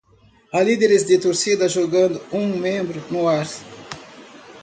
Há líderes de torcida jogando um membro no ar.